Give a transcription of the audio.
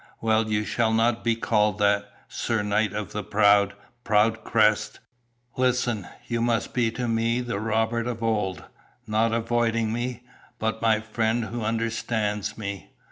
"Well, you shall not be called that, sir knight of the proud, proud crest. Listen! You must be to me the Robert of old; not avoiding me, but my friend who understands me.